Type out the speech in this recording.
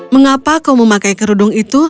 mengapa kau memakai kerudung itu